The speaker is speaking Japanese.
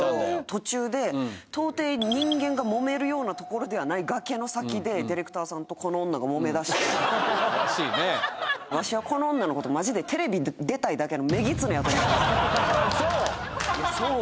途中で到底人間がもめるような所ではない崖の先でディレクターさんとこの女がもめだしてワシはこの女のことマジでテレビに出たいだけの女狐やと思ってますそう？